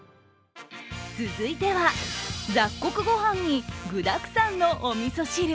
続いては、雑穀ご飯に具だくさんのおみそ汁。